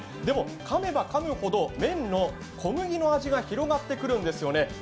でもかめばかむほど麺の小麦の味が広がってくるんですよね。